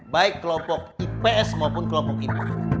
baik kelompok ips maupun kelompok ini